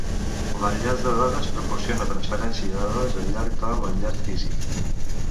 L'enllaç de dades proporciona transferència de dades al llarg de l'enllaç físic.